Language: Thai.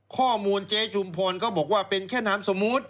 ข้อมูลเจชุมพรก็บอกว่าเป็นแค่นามสมมุติ